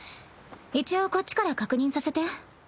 一応こっちから確認させて。